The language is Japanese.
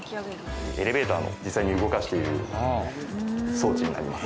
エレベーターを実際に動かしている装置になります。